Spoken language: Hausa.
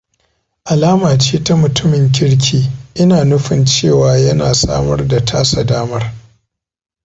Alama ce ta mutumin kirki ina nufin cewa yana samar da tasa damar.